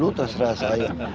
oh terserah saya deh